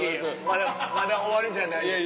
まだまだ終わりじゃないです